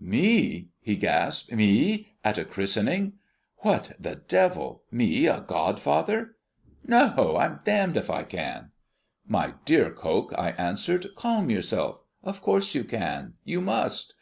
"Me!" he gasped, "me! at a christening! What the devil me a godfather! No, I'm damned if I can!" "My dear Coke," I answered, "calm yourself. Of course you can you must!